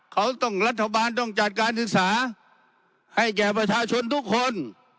เขาต้องรัฐบาลต้องจัดการศึกษาให้แก่ประชาชนทุกคน